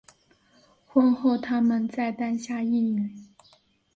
婚后他们再诞下一女。